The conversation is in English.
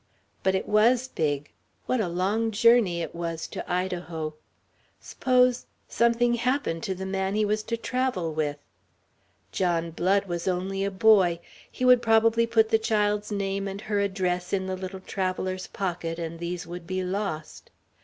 But it was big what a long journey it was to Idaho. Suppose ... something happened to the man he was to travel with. John Blood was only a boy; he would probably put the child's name and her address in the little traveler's pocket, and these would be lost.